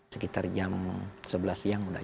sekitar jam sebelas siang sudah